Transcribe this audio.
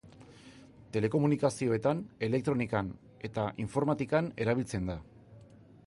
Telekomunikazioetan, elektronikan eta informatikan erabiltzen da.